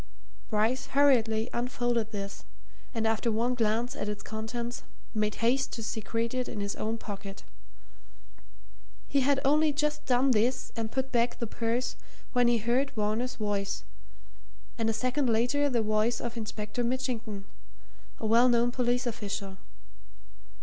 Bryce hurriedly unfolded this, and after one glance at its contents, made haste to secrete it in his own pocket. He had only just done this and put back the purse when he heard Varner's voice, and a second later the voice of Inspector Mitchington, a well known police official.